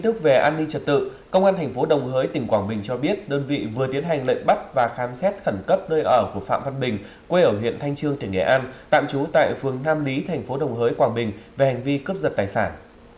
tin tức về an ninh trật tự công an thành phố đồng hới tỉnh quảng bình cho biết đơn vị vừa tiến hành lệnh bắt và khám xét khẩn cấp nơi ở của phạm văn bình quê ở huyện thanh trương tỉnh nghệ an tạm trú tại phương nam lý thành phố đồng hới quảng bình về hành vi cướp giật tài sản